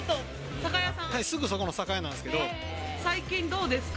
はい、すぐそこの酒屋なんで最近どうですか？